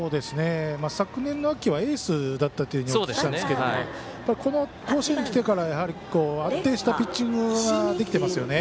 昨年の秋はエースだったというふうに見ていたんですけど甲子園にきてからやはり、安定したピッチングができていますよね。